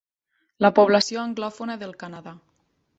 La població anglòfona del Canadà.